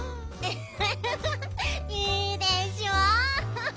フフフフいいでしょ？